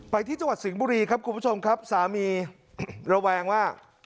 ที่จังหวัดสิงห์บุรีครับคุณผู้ชมครับสามีระแวงว่า